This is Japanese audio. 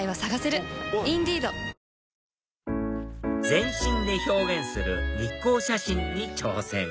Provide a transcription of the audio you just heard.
全身で表現する日光写真に挑戦